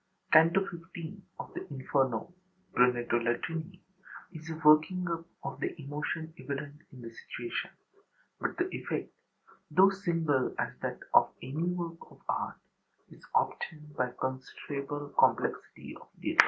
Canto XV of the Inferno (Brunetto Latini) is a working up of the emotion evident in the situation; but the effect, though single as that of any work of art, is obtained by considerable complexity of detail.